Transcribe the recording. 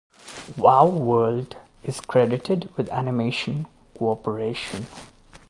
Wao World is credited with animation cooperation.